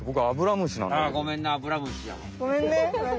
あごめんな。